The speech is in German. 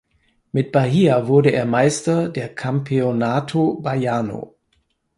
Mit Bahia wurde er Meister der Campeonato Baiano.